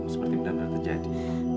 seperti benar benar terjadi